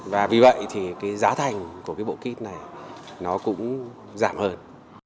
và vì vậy thì cái giá thành của cái bộ kit này nó cũng giảm hơn